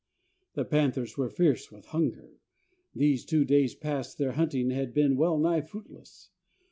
The panthers were fierce with hunger. These two days past their hunting had been well nigh fruitless.